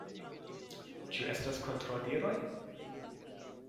Ĉu estas kontraŭdiroj?